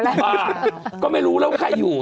ก็ไม่รู้แล้วใครอยู่